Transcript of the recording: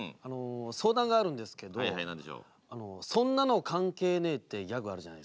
相談があるんですけどそんなの関係ねえってギャグあるじゃないですか。